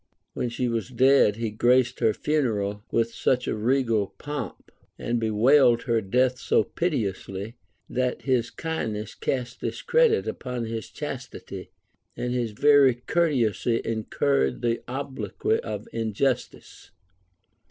When she was dead, he graced her funeral with such a regal pomp, and bewailed her death so piteously, that his kindness cast discredit upon his chastity, and his very courtesy incurred the obloquy of injustice.